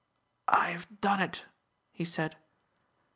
"I have done it," he said.